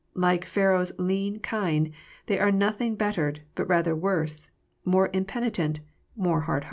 Like Pharaoh s lean kinc, they are nothing bettered, but rather worse, more impenitent, and more hardened.